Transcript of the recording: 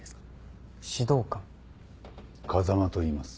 風間といいます。